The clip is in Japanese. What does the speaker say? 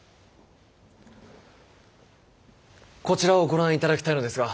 こちらをご覧頂きたいのですが。